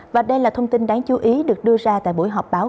và đây là thông tin đáng chú ý được đưa ra tại buổi họp báo